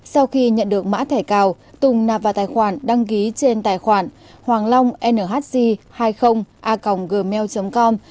sau khi nhận được mã thẻ cào tùng nạp vào tài khoản đăng ký trên tài khoản hoanglongnhc hai mươi a gmail com